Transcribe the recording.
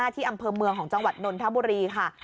ที่อำเภอเมืองของจังหวัดนนทบุรีค่ะ